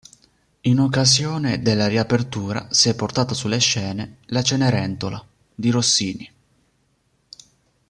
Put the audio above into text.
In occasione della riapertura si è portata sulle scene La Cenerentola di Rossini.